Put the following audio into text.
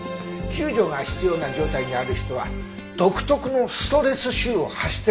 救助が必要な状態にある人は独特のストレス臭を発してる事が多い。